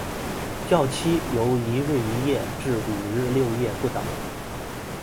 醮期由一日一夜至五日六夜不等。